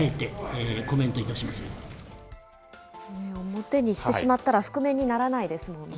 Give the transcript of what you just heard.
表にしてしまったら覆面にならないですもんね。